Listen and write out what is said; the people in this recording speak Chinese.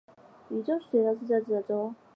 渝州是隋朝时设置的州。